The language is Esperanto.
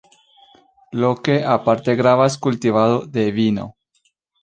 Loke aparte gravas kultivado de vino.